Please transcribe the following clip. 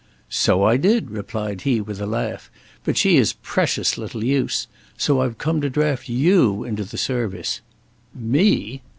"So I did," replied he, with a laugh, "but she is precious little use. So I've come to draft you into the service." "Me!"